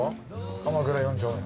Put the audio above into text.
鎌倉４丁目。